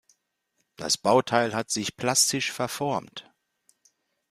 Das Bauteil hat sich plastisch verformt.